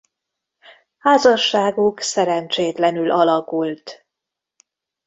Házasságuk szerencsétlenül alakult.